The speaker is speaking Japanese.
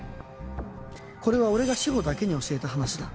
これは俺が志法だけに教えた話だ。